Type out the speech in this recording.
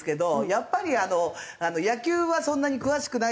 やっぱり野球はそんなに詳しくないですけど